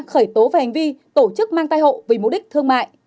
khởi tố về hành vi tổ chức mang thái hộ